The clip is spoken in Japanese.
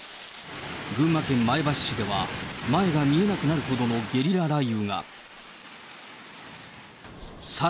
群馬県前橋市では、前が見えなくなるほどのゲリラ雷雨が。